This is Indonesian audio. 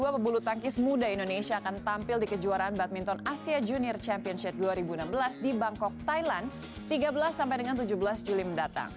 dua pebulu tangkis muda indonesia akan tampil di kejuaraan badminton asia junior championship dua ribu enam belas di bangkok thailand tiga belas sampai dengan tujuh belas juli mendatang